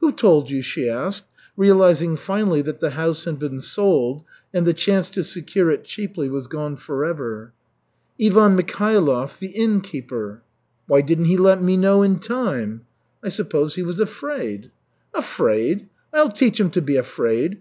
"Who told you?" she asked, realizing finally that the house had been sold and the chance to secure it cheaply was gone forever. "Ivan Mikhailov, the inn keeper." "Why didn't he let me know in time?" "I suppose he was afraid." "Afraid? I'll teach him to be afraid.